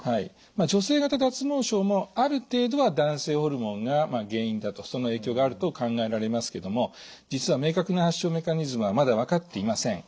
女性型脱毛症もある程度は男性ホルモンが原因だとその影響があると考えられますけども実は明確な発症メカニズムはまだ分かっていません。